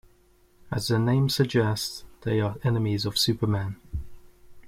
As their name suggests, they are enemies of Superman.